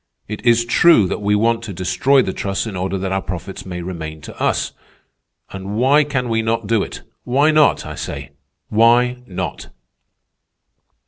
It is true that we want to destroy the trusts in order that our profits may remain to us. And why can we not do it? Why not? I say, why not?"